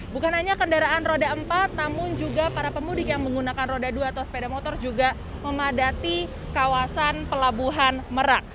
bukan hanya kendaraan roda empat namun juga para pemudik yang menggunakan roda dua atau sepeda motor juga memadati kawasan pelabuhan merak